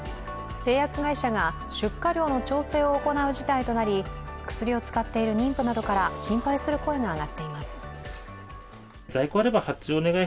製薬会社が出荷量の調整を行う事態となり薬を使っている妊婦などから心配する声が上がっています。